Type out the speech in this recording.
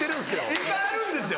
いっぱいあるんですよ。